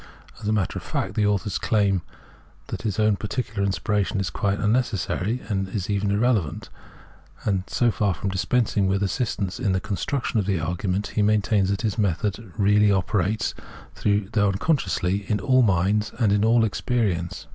As a matter of fact, the author's claim is that his own particular inspiration is quite unnecessary, and is even irrelevant : and so far from dispensing with assistance in the construction of the argument, he maintains that this method really operates, though xxvi Translator's Introduction unconsciously, in all muids and in all experience.